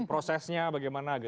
prosesnya bagaimana gitu